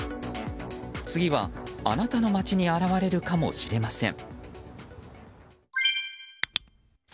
次は、あなたの街に現れるかもしれません。